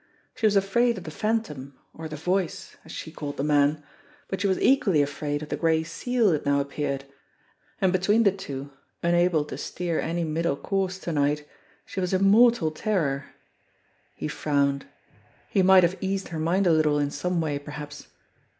She was afraid of the Phantom, or the Voice, as she called the man ; but she was equally afraid of the Gray Seal, it now appeared and be tween the two, unable to steer any middle course to night, she was in mortal terror. He frowned. He might have eased her mind a little in some way, perhaps.